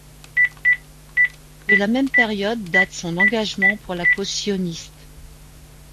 De la même période date son engagement pour la cause sioniste.